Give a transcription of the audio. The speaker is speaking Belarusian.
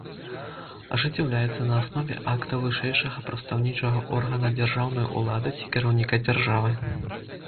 Ажыццяўляецца на аснове акта вышэйшага прадстаўнічага органа дзяржаўнай улады ці кіраўніка дзяржавы.